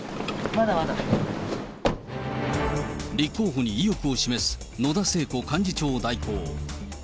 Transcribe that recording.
立候補に意欲を示す野田聖子幹事長代行。